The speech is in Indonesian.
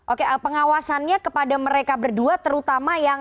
oke pengawasannya kepada mereka berdua